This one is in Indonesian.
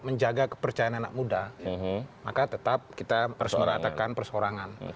menjaga kepercayaan anak muda maka tetap kita persemeratakan perseorangan